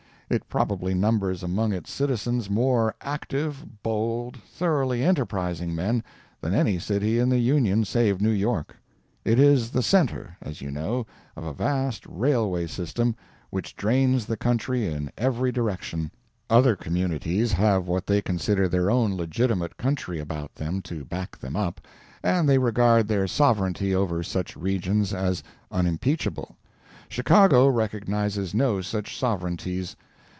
It probably numbers among its citizens more active, bold, thoroughly enterprising men than any city in the Union save New York. It is the centre, as you know, of a vast railway system, which drains the country in every direction. Other communities have what they consider their own legitimate country about them to back them up, and they regard their sovereignty over such regions as unimpeachable. Chicago recognizes no such sovereignties.